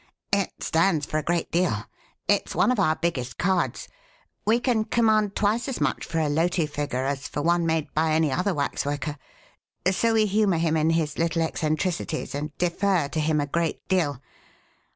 "It stands for a great deal. It's one of our biggest cards. We can command twice as much for a Loti figure as for one made by any other waxworker. So we humour him in his little eccentricities and defer to him a great deal.